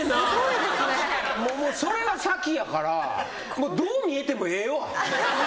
それが先やからどう見えてもええわ。